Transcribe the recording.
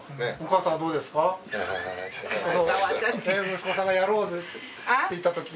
息子さんがやろうって言ったとき。